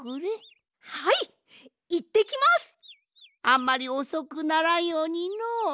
あんまりおそくならんようにのう。